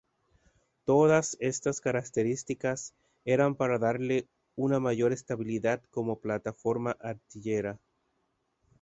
Todas estas características eran para darle una mayor estabilidad como plataforma artillera.